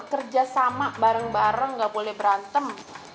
kerja sama bareng bareng gak boleh berantem